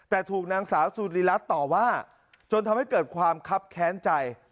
แต่ถูกนางสาวสุริรัตน์ต่อว่าจนทำให้เกิดความคับแค้นใจ